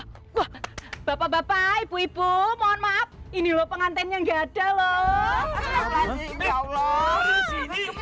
di bawah bapak bapak ibu mohon maaf ini lho pengantin yang ada loh